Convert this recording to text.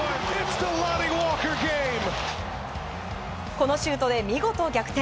このシュートで見事逆転。